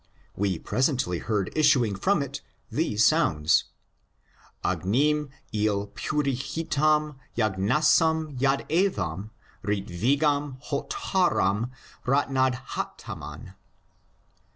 We presently heard bsning from it these sounds : Agnim Ue purohitam yagnasm yadevam ritvigam hotaram ratnadhatamam.